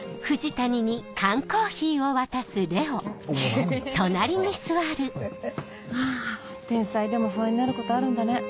ハァ天才でも不安になることあるんだね。